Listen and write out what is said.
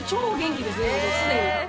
すでに。